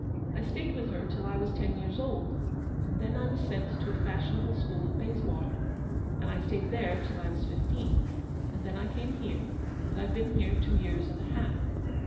I stayed with her till I was ten years old, and then I was sent to a fashionable school at Bayswater, and I VOL. I. S 258 Eleanor's victory. stayed there till I was fifteen, and then I came here, and I've been here two years and a half.